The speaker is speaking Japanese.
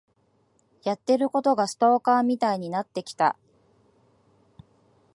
やってることがストーカーみたいになってきた。